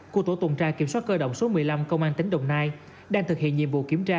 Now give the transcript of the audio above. của tổ tuần tra kiểm soát cơ động số một mươi năm công an tỉnh đồng nai đang thực hiện nhiệm vụ kiểm tra